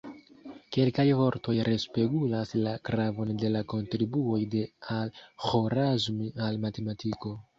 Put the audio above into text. Kelkaj vortoj respegulas la gravon de la kontribuoj de Al-Ĥorazmi al matematiko.